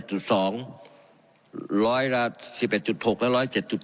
ร้อยละ๑๑๖และร้อย๗๗